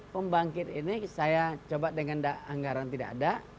pembangkit ini saya coba dengan anggaran tidak ada